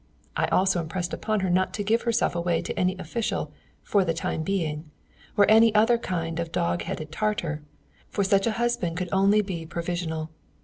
I also impressed upon her not to give herself away to any official "for the time being," or any other kind of dog headed Tartar, for such a husband could only be provisional.